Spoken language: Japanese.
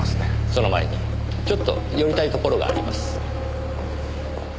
その前にちょっと寄りたいところがあります。